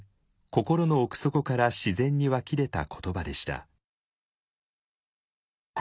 心の奥底から自然に湧き出た言葉でした。